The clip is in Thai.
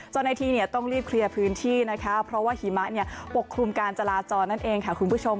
เจ้าหน้าที่ต้องรีบเคลียร์พื้นที่นะคะเพราะว่าหิมะปกคลุมการจราจรนั่นเองค่ะคุณผู้ชม